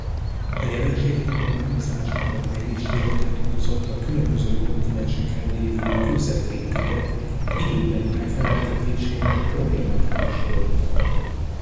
A jelenség tanulmányozásában nehézségeket okozott a különböző kontinenseken lévő kőzetrétegek időbeli megfeleltetésének problematikus volta.